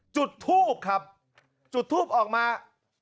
จุดทูบครับจุดทูปออกมา